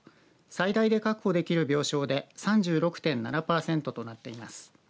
最大で確保できる病床で３６．７パーセントとなっています。